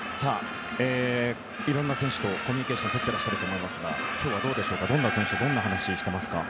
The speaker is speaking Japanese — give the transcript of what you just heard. いろんな選手とコミュニケーションをとっていらっしゃると思いますが今日はどんな選手とどんな話をしていますか？